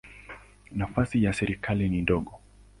Nafasi ya serikali ni ndogo.